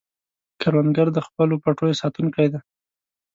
کروندګر د خپلو پټیو ساتونکی دی